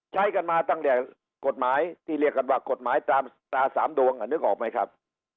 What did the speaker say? ใช้กันมาตั้งแต่กฎหมายที่เรียกกันว่ากฎหมายตามตรา๓ดวงนึกออกไหมครับ